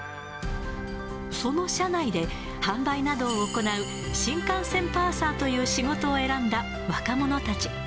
その車内で、販売などを行う新幹線パーサーという仕事を選んだ若者たち。